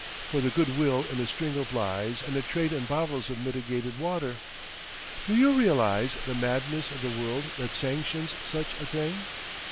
—for the goodwill in a string of lies and a trade in bottles of mitigated water! Do you realise the madness of the world that sanctions such a thing?